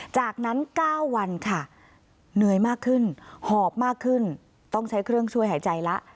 จากนั้น๙วันค่ะเหนื่อยมากขึ้นหอบมากขึ้นต้องใช้เครื่องช่วยหายใจละ